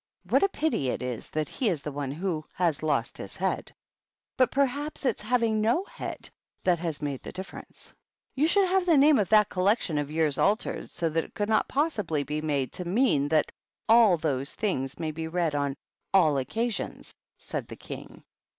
"What a pity it is THE BISHOPS. 171 he is the one who has lost his head ! But per haps it's having no head that has made the dif ference/' " You should have the name of that Collection of yours altered, so that it could not possibly be made to mean that all those things may be read on all Occasions," said the King.